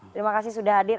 terima kasih sudah hadir